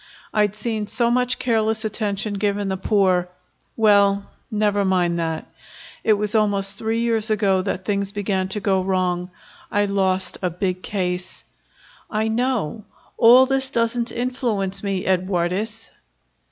I'd seen so much careless attention given the poor well, never mind that. It was almost three years ago that things began to go wrong. I lost a big case." "I know. All this doesn't influence me, Edwardes."